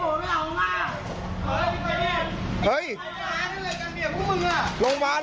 ใครเขาขาการ